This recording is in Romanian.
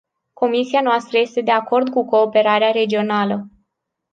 Comisia noastră este de acord cu cooperarea regională.